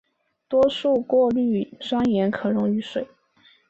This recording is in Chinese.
多数过氯酸盐可溶于水。